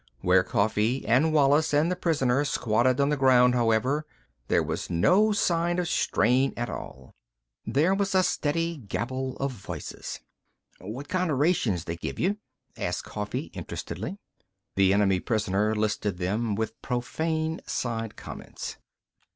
Where Coffee and Wallis and the prisoner squatted on the ground, however, there was no sign of strain at all. There was a steady gabble of voices. "What kinda rations they give you?" asked Coffee interestedly. The enemy prisoner listed them, with profane side comments.